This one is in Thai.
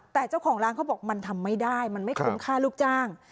แต่เจ้าของร้านเขาบอกมันทำไม่ได้มันไม่คุ้มค่าลูกจ้าง